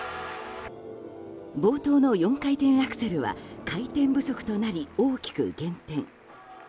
冒頭の４回転アクセルは回転不足となり大きく減点。